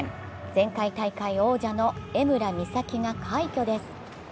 前回大会王者の江村美咲が快挙です。